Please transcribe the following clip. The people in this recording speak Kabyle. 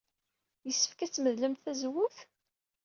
Yessefk ad tmedlemt tazewwut?